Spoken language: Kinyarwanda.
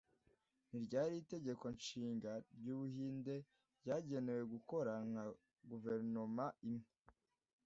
Ni ryari Itegeko Nshinga ry'Ubuhinde ryagenewe gukora nka guverinoma imwe